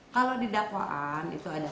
kalau didakwaan itu ada empat belas